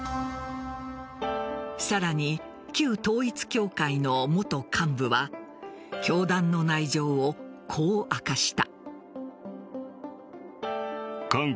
さらに、旧統一教会の元幹部は教団の内情をこう明かした。